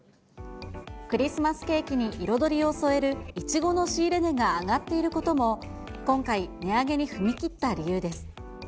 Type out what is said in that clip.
クリスマスケーキに彩りを添えるイチゴの仕入れ値が上がっていることも今回、値上げに踏み切った理由です。